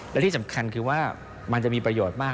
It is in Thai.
และที่สำคัญคือว่ามันจะมีประโยชน์มาก